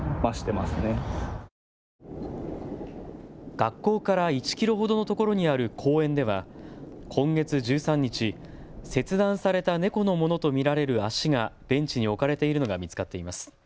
学校から１キロほどのところにある公園では今月１３日、切断された猫のものと見られる足がベンチに置かれているのが見つかっています。